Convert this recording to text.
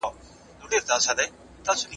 منظم او بې تعصبه تحلیل ته څېړنه ویل کیږي.